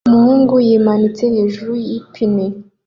Umuhungu yimanitse hejuru yipine